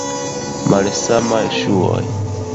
Malsamaj ŝuoj.